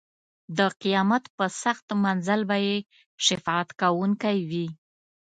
د قیامت په سخت منزل به یې شفاعت کوونکی وي.